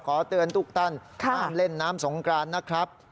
ขอเตือนทุกท่านห้ามเล่นน้ำสงกรานนะครับ